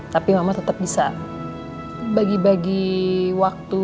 tapi mama tetap bisa bagi bagi waktu